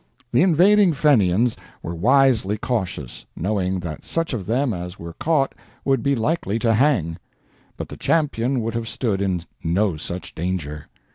The invading Fenians were wisely cautious, knowing that such of them as were caught would be likely to hang; but the Champion would have stood in no such danger.